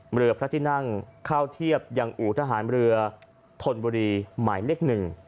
เมือพลัทธินังเข้าเทียบยังอุทหารเมือถลบุรีหมายเล็ก๑